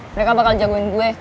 mereka bakal jagoin gue